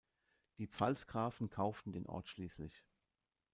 Die Pfalzgrafen kauften den Ort schließlich.